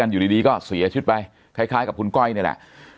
อยู่ดีก็เสียชีวิตไปคล้ายกับคุณก้อยนี่แหละ